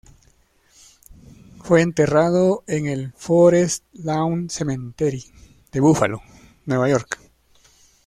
Fue enterrado en el Forest Lawn Cemetery de Búfalo, Nueva York.